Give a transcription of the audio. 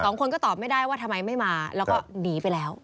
สองคนก็ตอบไม่ได้ว่าทำไมไม่มาแล้วก็หนีไปแล้ว